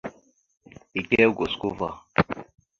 Ike a gosko ava.